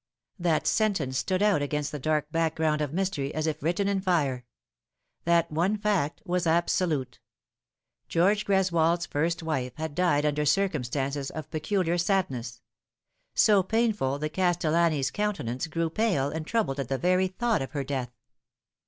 That sentence stood out against the dark background of mystery as if written in fire. That one fact was absolute. George Greswold's first wife had died under circumstances of peculiar sadness ; so painful that Castellani's countenance grew pale and troubled at the very thought of her death.